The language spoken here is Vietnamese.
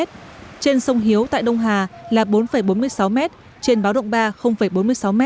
trên sông hiếu tại đông hà là bốn bốn mươi sáu m trên báo động ba bốn mươi sáu m